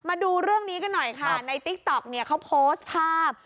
มาดูเรื่องนี้กันหน่อยค่ะในติ๊กต๊อกเนี่ยเขาโพสต์ภาพ